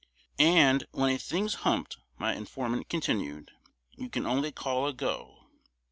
"And when a thing's humped," my informant continued, "you can only 'call a go.